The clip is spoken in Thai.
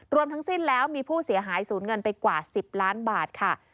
ทั้งสิ้นแล้วมีผู้เสียหายสูญเงินไปกว่า๑๐ล้านบาทค่ะ